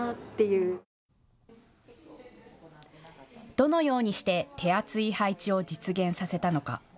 どのようにして手厚い配置を実現させたのか。